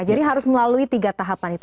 jadi harus melalui tiga tahapan itu